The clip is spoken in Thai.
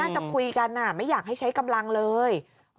จะคุยกันไม่อยากให้ใช้กำลังเลย